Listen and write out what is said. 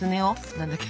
何だっけ。